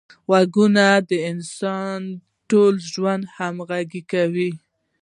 غوږونه د انسان ټول ژوند همغږي کوي